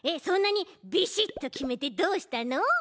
そんなにビシッときめてどうしたの？